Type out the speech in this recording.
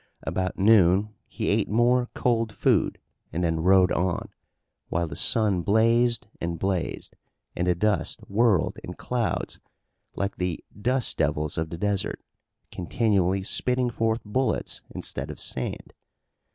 About noon he ate more cold food, and then rode on, while the sun blazed and blazed and the dust whirled in clouds like the "dust devils" of the desert, continually spitting forth bullets instead of sand.